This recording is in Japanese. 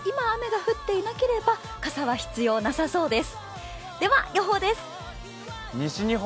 今、雨が降っていなければ傘は必要なさそうです。